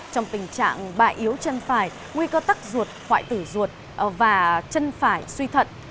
trong tình trạng bại yếu chân phải nguy cơ tắc ruột hoại tử ruột và chân phải suy thận